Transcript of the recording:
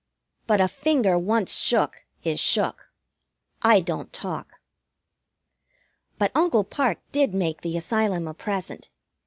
But a finger once shook is shook. I don't talk. But Uncle Parke did make the Asylum a present.